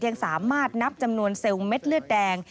ยังสามารถนับจำนวนเซลล์เม็ดเลือดแดง